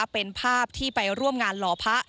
เป็นภาพที่ไปร่วมงานหล่อพระ